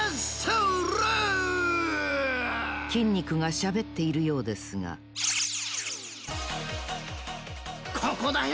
筋肉がしゃべっているようですがここだよ